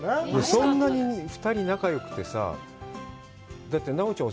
そんなに２人、仲よくてさ、だって、奈緒ちゃん、